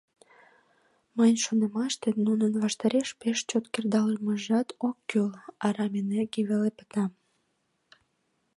— Мыйын шонымаште, нунын ваштареш пеш чот кредалмыжат ок кӱл, арам энергий веле пыта.